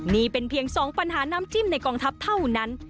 นี่เป็นเพียง๒ปัญหาน้ำจิ้มในกองทัพเท่านั้น